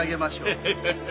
ハハハハ。